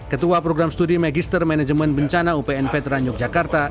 ketua program studi magister manajemen bencana upn veteran yogyakarta